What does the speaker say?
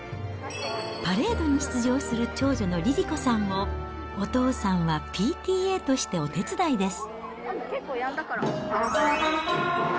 パレードに出場する長女のりりこさんを、お父さんはＰＴＡとしてお手伝いです。